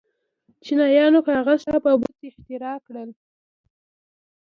چینایانو کاغذ، چاپ او باروت اختراع کړل.